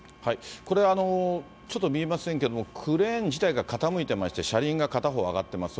これ、ちょっと見えませんけども、クレーン自体が傾いてまして、車輪が片方上がっています。